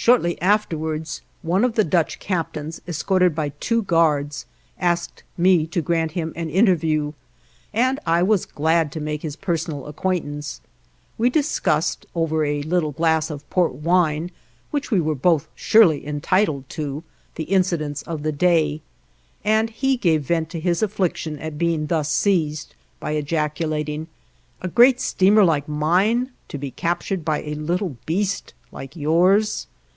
Shortly afterwards one of the Dutch captains, escorted by two guards, asked me to grant him an interview, and I was glad to make his personal acquaintance; we discussed over a little glass of port wine, which we were both surely entitled to, the incidents of the day, and he gave vent to his affliction at being thus seized, by ejaculating: "A great steamer like mine to be captured by a little beast like yours!"